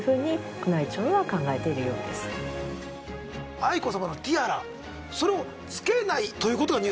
愛子さまのティアラそれを着けないということがニュースになるんですね。